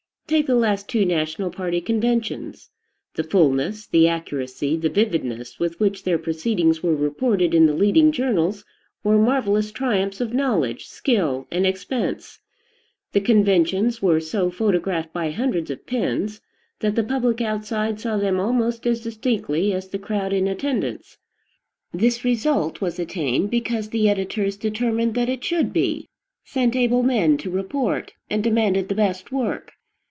Take the last two national party conventions. The fullness, the accuracy, the vividness, with which their proceedings were reported in the leading journals, were marvelous triumphs of knowledge, skill, and expense. The conventions were so photographed by hundreds of pens, that the public outside saw them almost as distinctly as the crowd in attendance. This result was attained because the editors determined that it should be, sent able men to report, and demanded the best work.